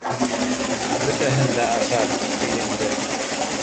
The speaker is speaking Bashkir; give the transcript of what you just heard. Бөтәһен дә ашат, кейендер.